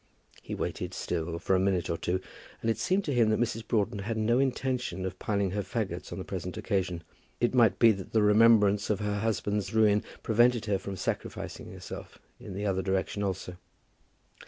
He waited still for a minute or two, and it seemed to him that Mrs. Broughton had no intention of piling her fagots on the present occasion. It might be that the remembrance of her husband's ruin prevented her from sacrificing herself in the other direction also.